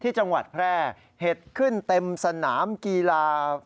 จังหวัดแพร่เห็ดขึ้นเต็มสนามกีฬา